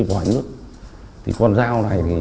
bắt biển số xe